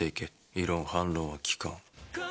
異論、反論は聞かん。